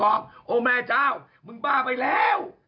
โอ้แม่เจ้ามึงบ้าไปแล้ว